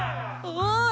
おい！